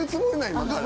今から。